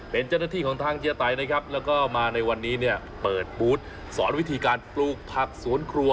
เป็นเจ้าหน้าที่ของทางเจียไตนะครับแล้วก็มาในวันนี้เนี่ยเปิดบูธสอนวิธีการปลูกผักสวนครัว